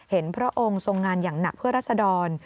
พระองค์ทรงงานอย่างหนักเพื่อรัศดร